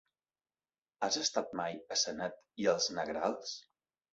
Has estat mai a Sanet i els Negrals?